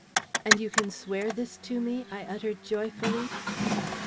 "And you can swear this to me?" I uttered, joyfully.